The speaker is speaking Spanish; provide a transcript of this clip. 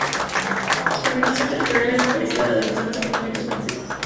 Su organización territorial era parecida a la de los demás departamentos franceses.